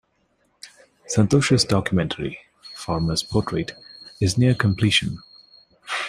Santosh's documentary "Farmers Portrait" is near completion.